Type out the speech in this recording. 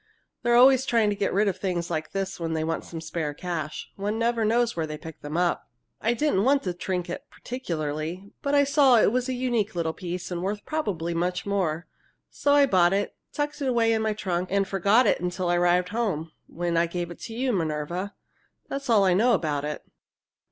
They're always trying to get rid of things like this when they want some spare cash. One never knows where they pick them up. I didn't want the trinket particularly, but I saw that it was a unique little piece and worth probably much more. So I bought it, tucked it away in my trunk, and forgot it till I arrived home, when I gave it to you, Minerva. That's all I know about it."